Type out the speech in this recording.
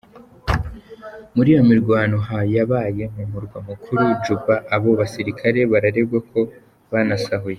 Muri iyo mirwano yabaye mu murwa mukuru, Juba, abo basirikare bararegwa ko banasahuye.